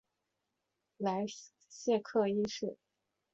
莱谢克一世。